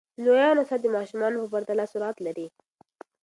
د لویانو ساعت د ماشومانو په پرتله سرعت لري.